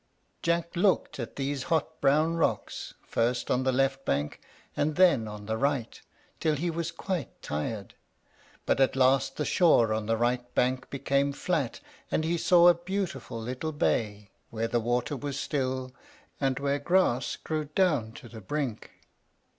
Jack looked at these hot, brown rocks, first on the left bank and then on the right, till he was quite tired; but at last the shore on the right bank became flat, and he saw a beautiful little bay, where the water was still, and where grass grew down to the brink.